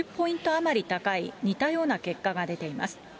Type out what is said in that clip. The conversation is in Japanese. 余り高い似たような結果が出ています。